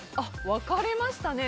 分かれましたね。